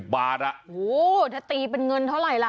บาทโอ้โหถ้าตีเป็นเงินเท่าไหร่ล่ะ